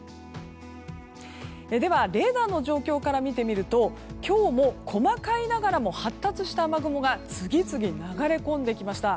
では、レーダーの状況から見てみると今日も細かいながらも発達した雨雲が次々に流れ込んできました。